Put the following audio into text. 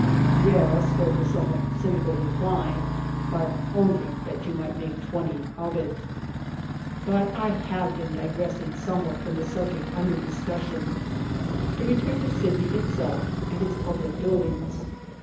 "Yes," was the somewhat cynical reply; "but only that you might make twenty of it." But I have been digressing somewhat from the subject under discussion. To return to Sydney itself, and its public buildings.